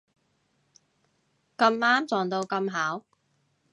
咁啱撞到咁巧